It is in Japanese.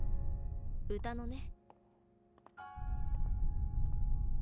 歌のね。